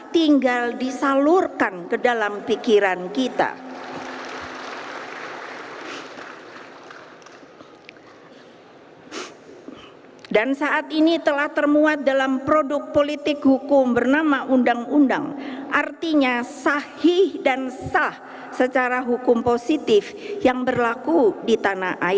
tinggal disalurkan ke dalam pikiran kita